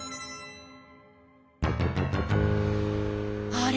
あれ？